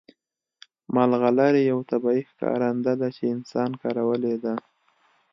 ملغلرې یو طبیعي ښکارنده ده چې انسان کارولې ده